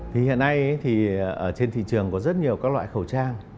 thì hiện nay thì ở trên thị trường có rất nhiều các loại khẩu trang